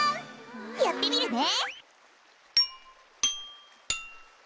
やってみるね！